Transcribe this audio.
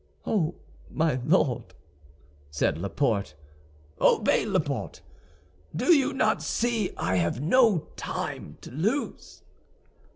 "Oh, my Lord!" said Laporte. "Obey, Laporte, do you not see I have no time to lose?"